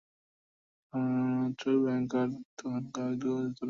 শত্রুর বাংকার তখন কয়েক গজ দূরে।